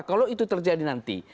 kalau itu terjadi nanti